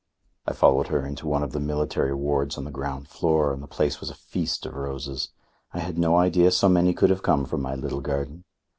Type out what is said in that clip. I followed her into one of the military wards on the ground floor, and the place was a feast of roses. I had no idea so many could have come from my little garden.